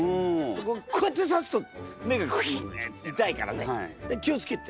でこうやってさすと目がクイッて痛いからね気を付けて。